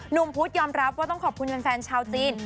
หนุ่มพุทธยอมรับว่าต้องขอบคุณเป็นแฟนชาวจีน